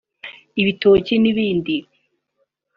ibitoki n’ibindi